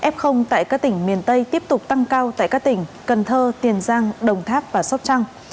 f tại các tỉnh miền tây tiếp tục tăng cao tại các tỉnh cần thơ tiền giang đồng tháp và sóc trăng